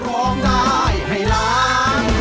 ร้องได้ให้ล้าน